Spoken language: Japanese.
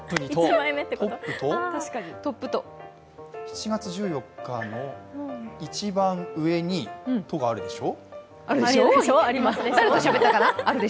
７月１４日の一番上に「と」があるでしょ？